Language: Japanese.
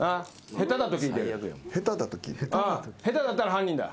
下手だったら犯人だ。